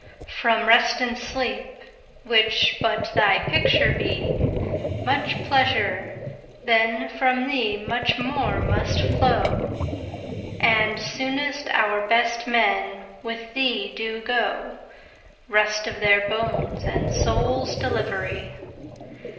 From Rest and Sleep, which but thy picture be, 5 Much pleasure, then from thee much more must flow; And soonest our best men with thee do go— Rest of their bones and souls' delivery!